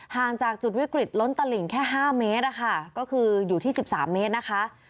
ห่างจากจุดวิกฤตล้นตะหลิงแค่ห้าเมตรค่ะก็คืออยู่ที่สิบสามเมตรนะคะ